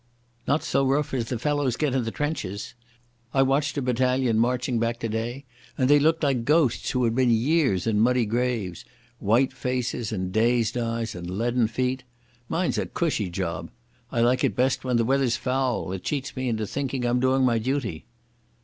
"Not so rough as the fellows get in the trenches. I watched a battalion marching back today and they looked like ghosts who had been years in muddy graves. White faces and dazed eyes and leaden feet. Mine's a cushy job. I like it best when the weather's foul. It cheats me into thinking I'm doing my duty."